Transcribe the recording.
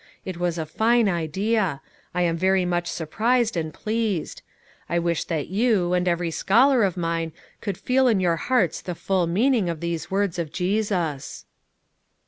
It was a fine idea; I am very much surprised and pleased. I wish that you, and every scholar of mine, could feel in your hearts the full meaning of those words of Jesus."